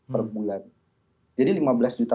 per bulan jadi lima belas juta